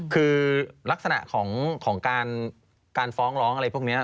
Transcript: คือลักษณะของการฟ้องร้องอะไรพวกนี้